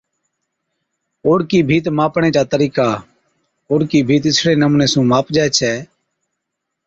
اوڏڪِي ڀِيت ماپڻي چا طرِيقا، اوڏڪِي ڀِيت اِسڙي نمُوني سُون ماپجَي ڇَي